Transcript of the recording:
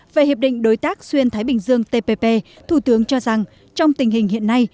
về hiệp định đối tác xuyên thái bình dương tpp thủ tướng cho rằng trong tình hình hiện nay